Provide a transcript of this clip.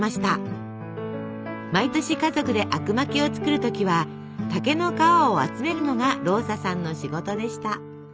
毎年家族であくまきを作る時は竹の皮を集めるのがローサさんの仕事でした。